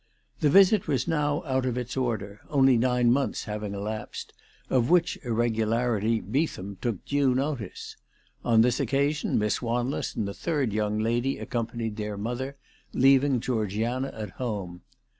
The visit was now out of its order, only nine months having elapsed, of which irregularity Beetham took due notice. On this occa sion Miss Wanless and the third young lady accom panied their mother, leaving Georgiana at home.